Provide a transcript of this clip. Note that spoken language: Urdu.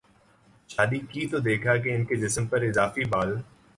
شادی کی تو دیکھا کہ ان کے جسم پراضافی بال